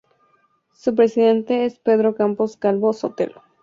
Su presidente es Pedro Campos Calvo-Sotelo.